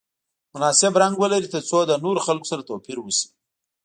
مناسب رنګ ولري ترڅو له نورو خلکو سره توپیر وشي.